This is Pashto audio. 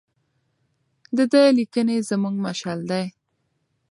د ده لیکنې زموږ مشعل دي.